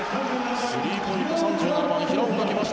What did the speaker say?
スリーポイント３７番、平岡が来ました